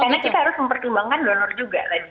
karena kita harus mempertimbangkan donor juga